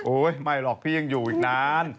โอ๊ยไม่หรอกพี่มันยังอยู่อีกนาน